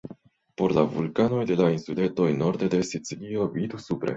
Por la vulkanoj de la insuletoj norde de Sicilio, vidu supre.